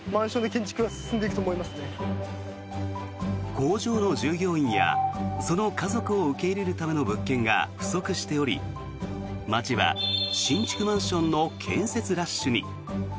工場の従業員やその家族を受け入れるための物件が不足しており町は新築マンションの建設ラッシュに。